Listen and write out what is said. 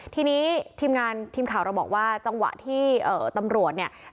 ทีนี้ทีมงานทีมข่าวเราบอกว่าจังหวะที่ตำรวจเนี่ย